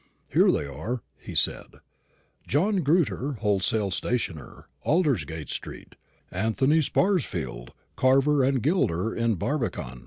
"Here they are," he said: "John Grewter, wholesale stationer, Aldersgate street; Anthony Sparsfield, carver and gilder, in Barbican.